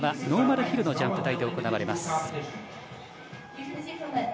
ノーマルヒルのジャンプ台で行われます。